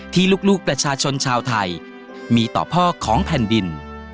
ที่ลูกประชาชนชาวไทยมีต่อพ่อของแผ่นดิน